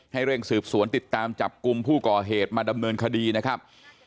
เร่งสืบสวนติดตามจับกลุ่มผู้ก่อเหตุมาดำเนินคดีนะครับ